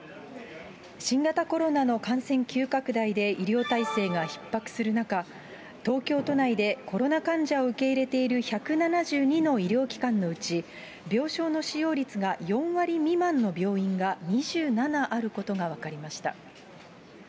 新型コロナの感染急拡大で医療体制がひっ迫する中、東京都内でコロナ患者を受け入れている１７２の医療機関のうち、病床の使用率が４割未満の病院が２７あることが分かりました。